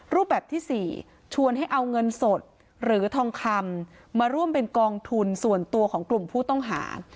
รูปแบบที่๔ชวนให้เอาเงินสดหรือทองคำมาร่วมเป็นกองทุนส่วนตัวของกลุ่มผู้ต้องหา